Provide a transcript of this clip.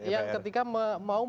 yang ketika mau